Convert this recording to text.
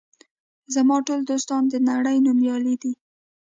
زما ټول دوستان د نړۍ نومیالي دي.